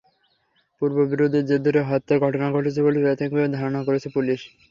পূর্ববিরোধের জের ধরে হত্যার ঘটনা ঘটেছে বলে প্রাথমিকভাবে ধারণা করছে পুলিশ।